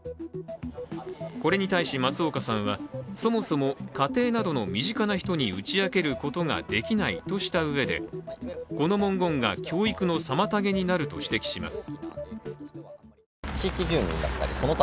これに対し松岡さんはそもそも、家庭などの身近な人に打ち明けることができないとしたうえでこの文言が教育の妨げになると指摘します。